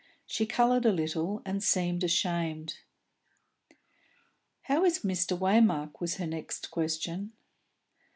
She coloured a little, and seemed ashamed. "How is Mr. Waymark?" was her next question.